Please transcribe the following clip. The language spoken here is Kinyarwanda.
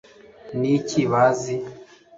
ni iki bazi